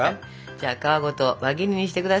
じゃあ皮ごと輪切りにして下さい。